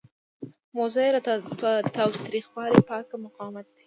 موضوع یې له تاوتریخوالي پاک مقاومت دی.